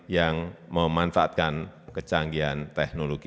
yang memanfaatkan kecanggihan teknologi